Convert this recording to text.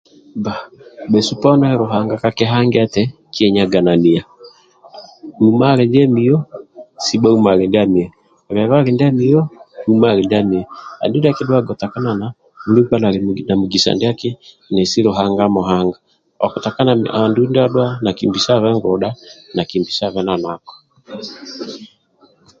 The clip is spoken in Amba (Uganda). Bba bhesu poni Luhanga kakihanga eti bhesubponi kinyegananania uma ali ndia mio sibha uma ali ndia mio lelu ali ndia mio uma ali ndia mio andu ndia akidhuaga otakanana buli nkanali na mugisa kindiaki nesi Luhanga amuhanga andulu ndia adhua Luhanga nakimbisabe ngudha nakimbisabe na nako